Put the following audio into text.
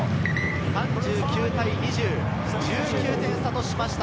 ３９対２０、１９点差としました。